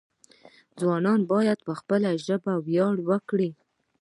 ځوانان باید په خپله ژبه ویاړ وکړي.